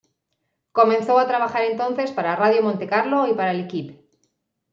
Comenzó a trabajar entonces para Radio Monte-Carlo y para L'Équipe.